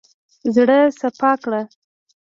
زړه سپا کړه.